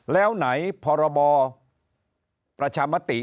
แล้วไหนพรบประชามติ